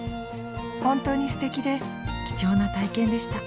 ホントにすてきで貴重な体験でした。